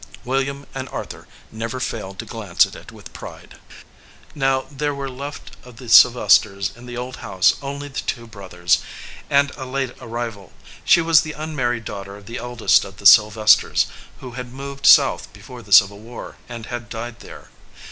William and Arthur never failed to glance at it with pride. Now there were left of the Sylvesters in the old house only the two brothers, and a late arrival. She was the unmarried daughter of the eldest of the Sylvesters, who had moved South before the Civil War and had died there.